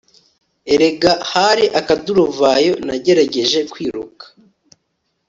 erega hari akaduruvayo nagerageje kwiruka